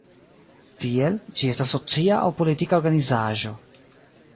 Tiel, ĝi estas socia aŭ politika organizaĵo.